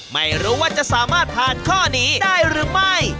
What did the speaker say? ไม่รู้ว่าจะสามารถผ่านข้อนี้ได้หรือไม่